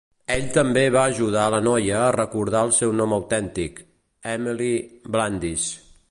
Ell també va ajudar la noia a recordar el seu nom autèntic: Emily Blandish.